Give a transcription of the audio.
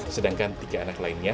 sedangkan tiga anak lainnya